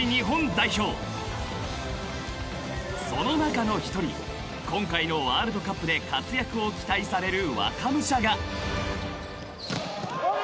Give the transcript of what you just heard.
［その中の１人今回のワールドカップで活躍を期待される若武者が］